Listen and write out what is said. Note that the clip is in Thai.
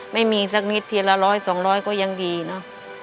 ไม่มีสักนิดทีละร้อยสองร้อยก็ยังดีเนอะ